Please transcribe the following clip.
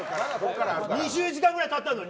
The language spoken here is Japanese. ２０時間ぐらい経ったのに？